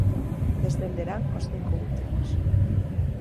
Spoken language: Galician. Descenderán os cinco últimos.